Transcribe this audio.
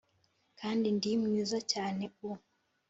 kandi ndi mwiza cyane u